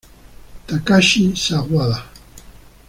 Takashi Sawada